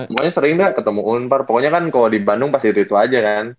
semuanya sering gak ketemu unpar pokoknya kan kalau di bandung pasti itu aja kan